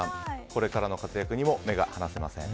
これからの活躍にも目が離せません。